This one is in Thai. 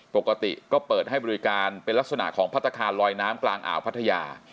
ปกติก็เปิดให้บริการเป็นลักษณะของพัฒนาคารลอยน้ำกลางอ่าวพัทยา